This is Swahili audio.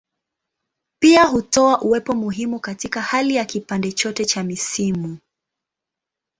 Pia hutoa uwepo muhimu katika hali ya kipande chote cha misimu.